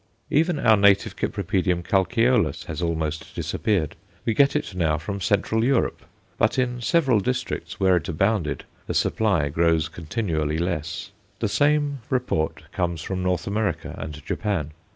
Even our native Cyp. calceolus has almost disappeared; we get it now from Central Europe, but in several districts where it abounded the supply grows continually less. The same report comes from North America and Japan.